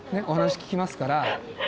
お話聞きますから。